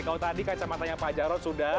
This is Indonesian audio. kalau tadi kacamatanya pak jarod sudah